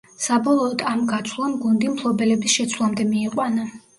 საბოლოოდ ამ გაცვლამ, გუნდი მფლობელების შეცვლამდე მიიყვანა.